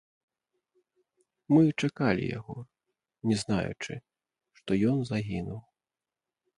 Мы чакалі яго, не знаючы, што ён загінуў.